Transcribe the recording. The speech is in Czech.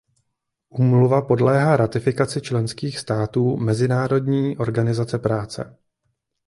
Úmluva podléhá ratifikaci členských států Mezinárodní organizace práce.